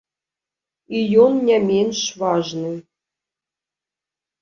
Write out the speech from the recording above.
І ён не менш важны.